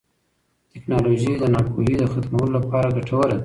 ټیکنالوژي د ناپوهۍ د ختمولو لپاره ګټوره ده.